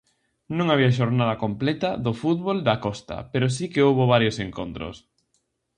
Non había xornada completa do fútbol da Costa pero si que houbo varios encontros.